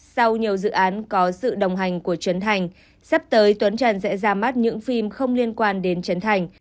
sau nhiều dự án có sự đồng hành của trấn thành sắp tới tuấn trần sẽ ra mắt những phim không liên quan đến chấn thành